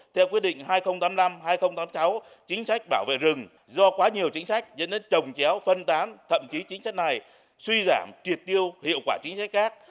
theo quyết định hai nghìn tám mươi năm hai nghìn tám mươi sáu chính sách bảo vệ rừng do quá nhiều chính sách dẫn đến trồng chéo phân tán thậm chí chính sách này suy giảm triệt tiêu hiệu quả chính sách khác